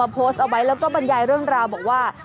โพสต์เอาไว้แล้วก็บรรยายเรื่องราวบอกว่า